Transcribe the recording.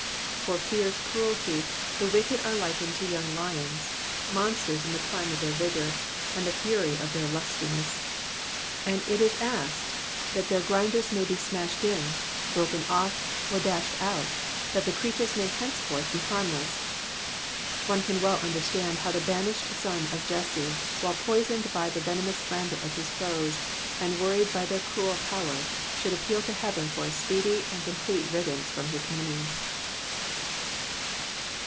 For fierce cruelty the wicked are likened to young lions, monsters in the prime of their vigour, and the fury of their lustiness ; and it is asked that their grinders may be smashed in, broken off, or dashed out, that the creatures may henceforth be harmless. One can well understand how the banished son of Jesse, while poisoned by the venomous slander of his foes, and worried by their cruel power, should appeal to heaven for a speedy and complete riddance from his enemies.